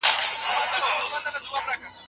سندرې د تنفسي ناروغیو په ښه کولو کې مرسته کوي.